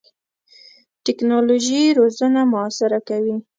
ټکنالوژي روزنه موثره کوي.